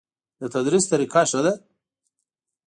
د تدریس طریقه ښه ده؟